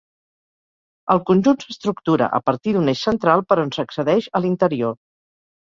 El conjunt s'estructura a partir d'un eix central per on s'accedeix a l'interior.